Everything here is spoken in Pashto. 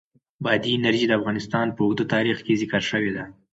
بادي انرژي د افغانستان په اوږده تاریخ کې ذکر شوې ده.